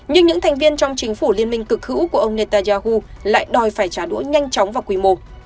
nhưng những thành viên trong chính phủ liên minh cực hữu của ông netanyahu lại đòi phải trả đũa nhanh chóng và quy mô